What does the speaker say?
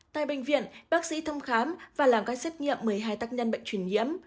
tại bệnh viện bác sĩ thăm khám và làm các xét nghiệm một mươi hai tác nhân bệnh truyền nhiễm